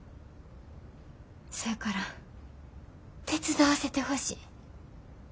せやから手伝わせてほしい。